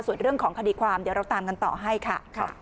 ส่วนเรื่องของคดีความเดี๋ยวเราตามกันต่อให้ค่ะ